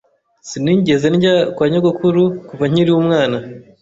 Sinigeze ndya kwa nyogokuru kuva nkiri umwana.